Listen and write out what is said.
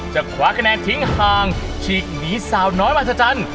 คว้าคะแนนทิ้งห่างฉีกหนีสาวน้อยมหัศจรรย์